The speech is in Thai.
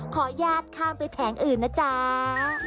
ขออนุญาตข้ามไปแผงอื่นนะจ๊ะ